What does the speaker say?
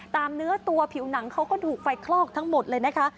ตามเนื้อตัวผิวหนังเขาก็ถูกไฟคลอกทั้งหมดเลยนะคะ